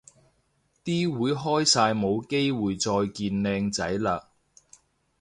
啲會開晒冇機會再見靚仔嘞